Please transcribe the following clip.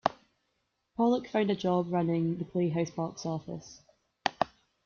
Pollock found a job running the Playhouse Box Office.